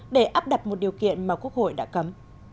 để áp đặt một điều kiện mà quốc hội đã cấm